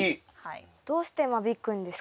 どうして間引くんですか？